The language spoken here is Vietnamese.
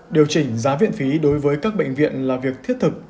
điều chỉnh giá viện phí đối với các bệnh viện là việc thiết thực